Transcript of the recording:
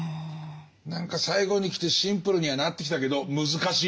何か最後にきてシンプルにはなってきたけど難しいね。